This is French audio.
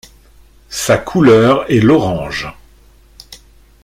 Sa couleur est l'orange.